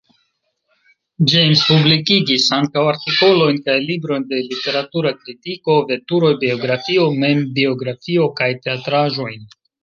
James publikigis ankaŭ artikolojn kaj librojn de literatura kritiko, veturoj, biografio, membiografio kaj teatraĵojn.